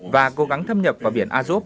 và cố gắng thâm nhập vào biển azov